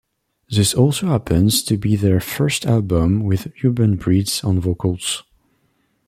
This also happens to be their first album with Urban breed on vocals.